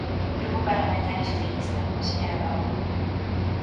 Grupo Parlamentario Socialista, señora Paulo.